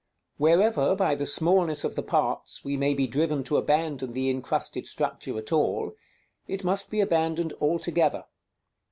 _ Wherever, by the smallness of the parts, we may be driven to abandon the incrusted structure at all, it must be abandoned altogether.